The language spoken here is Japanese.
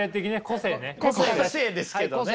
個性ですけどね。